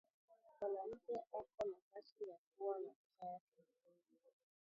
Mwanamuke eko na haki ya kuwa na duka yake mwenyewe